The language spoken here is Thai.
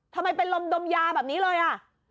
ทำไมเป็นลมดมยาแบบนี้เลยอ่ะ